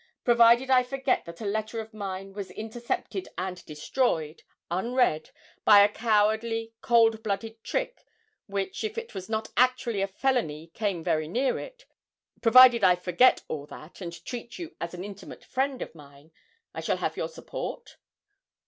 'Provided I forget that a letter of mine was intercepted and destroyed, unread, by a cowardly, cold blooded trick, which if it was not actually a felony came very near it provided I forget all that and treat you as an intimate friend of mine, I shall have your support?'